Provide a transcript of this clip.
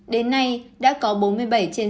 đến nay đã có bốn mươi bảy trên sáu mươi bốn